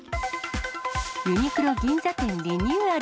ユニクロ銀座店リニューアル。